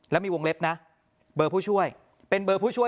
แล้วมีวงเล็บนะเบอร์ผู้ช่วยเป็นเบอร์ผู้ช่วย